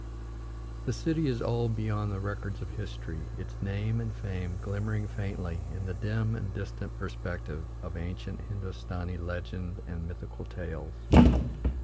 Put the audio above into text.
The city is old beyond the records of history, its name and fame glimmering faintly in the dim and distant perspective of ancient Hindostani legend and mythical tales.